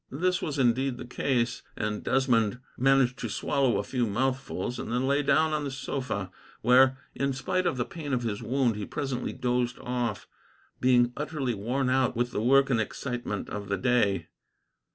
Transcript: This was indeed the case, and Desmond managed to swallow a few mouthfuls, and then lay down upon the sofa, where, in spite of the pain of his wound, he presently dozed off, being utterly worn out with the work and excitement of the day.